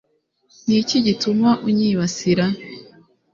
ni iki gituma unyibasira